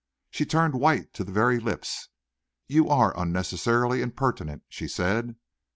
She turned white to the very lips. "You are unnecessarily impertinent," she said.